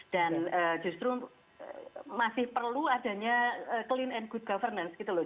dan justru masih perlu adanya clean and good governance gitu loh